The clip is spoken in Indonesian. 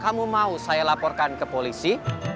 kamu mau saya laporkan ke polisi